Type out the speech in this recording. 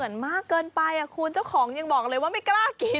มันเหมือนมากเกินไปอ่ะคุณเจ้าของยังบอกเลยว่าไม่กล้ากิน